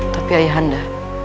tapi ayah anda